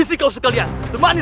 itu akibatnya kalau kau melawan kami